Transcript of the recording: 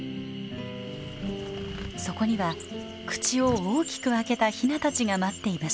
そこには口を大きく開けたヒナたちが待っていました。